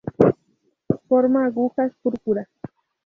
Forma agujas púrpura.